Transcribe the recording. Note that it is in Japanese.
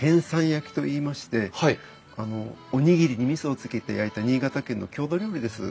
焼きといいましておにぎりにみそをつけて焼いた新潟県の郷土料理です。